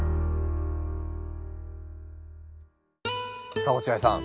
さあ落合さん